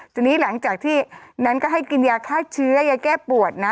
ทีนี้หลังจากที่นั้นก็ให้กินยาฆ่าเชื้อยาแก้ปวดนะ